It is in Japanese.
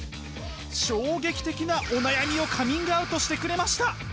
衝撃的なお悩みをカミングアウトしてくれました。